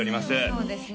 そうですね